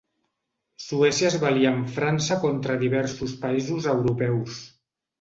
Suècia es va aliar amb França contra diversos països europeus.